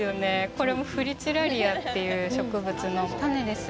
これもフリチラリアという植物の種です。